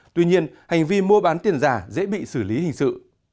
tuy nhiên hành vi mua bán tiền giả dễ bị xử lý hình sự